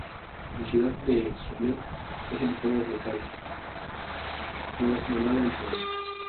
La ciudad de Sublette, en el estado de Kansas, fue nombrada en su honor.